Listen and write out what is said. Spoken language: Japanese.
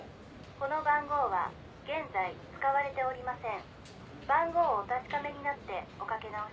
この番号現在使われておりません。